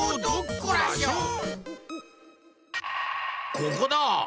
ここだ！